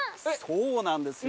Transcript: そうなんですよ。